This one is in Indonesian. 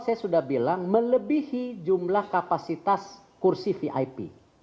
saya sudah bilang melebihi jumlah kapasitas kursi vip